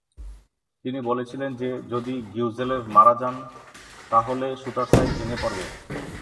তিনি বলেছিলেন যে, যদি গিউজেলেভ মারা যান, তা হলে শুটারসাইট ভেঙে পড়বে।